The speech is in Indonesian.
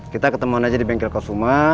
kita ketemuan aja di bengkel kosuma